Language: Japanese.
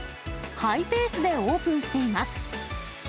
ハイペースでオープンしています。